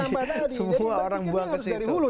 jadi berpikirnya harus dari hulu